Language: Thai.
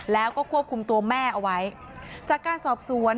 แล้วก็ควบคุมตัวแม่เอาไว้จากการสอบสวน